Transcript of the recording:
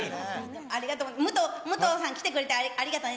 ありがとう、武藤さん、来てくれてありがとうね。